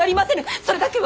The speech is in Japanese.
それだけは！